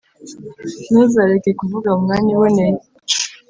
Ntuzareke kuvuga mu mwanya uboneye,